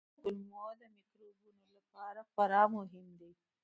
فایبر د کولمو مایکروبونو لپاره خورا مهم دی.